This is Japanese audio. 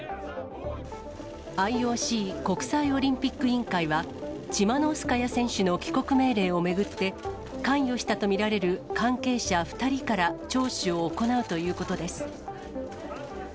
ＩＯＣ・国際オリンピック委員会は、チマノウスカヤ選手の帰国命令を巡って、関与したと見られる関係者２人から聴取を行うということです。